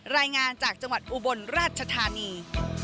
รายงานจากจังหวัดอุบลราชธานี